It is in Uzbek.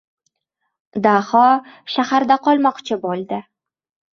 Daho shaharda qolmoqchi bo‘ldi.